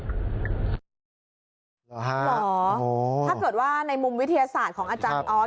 ถ้าตรวจว่าในมุมวิทยาศาสตร์ของอาจารย์เอาธ